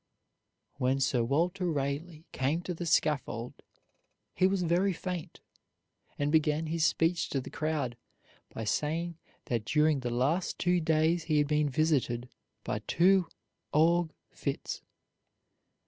When Sir Walter Raleigh came to the scaffold he was very faint, and began his speech to the crowd by saying that during the last two days he had been visited by two ague fits.